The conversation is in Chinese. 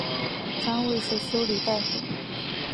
官位是修理大夫。